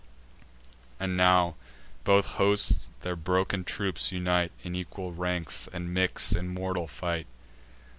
And now both hosts their broken troops unite In equal ranks, and mix in mortal fight.